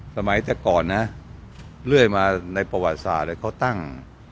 สมัยแต่ก่อนนะเรื่อยมาในประวัติศาสตร์เขาตั้ง